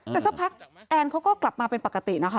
แต่สักพักแอนเขาก็กลับมาเป็นปกตินะคะ